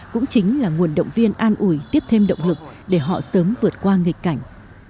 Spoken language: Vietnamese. cũng chính là nguồn động viên an ủi tiếp thêm động lực để họ sớm vượt qua nghịch cảnh